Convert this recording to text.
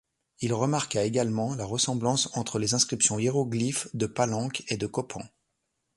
Il remarqua également la ressemblance entre les inscriptions hiéroglyphiques de Palenque et de Copán.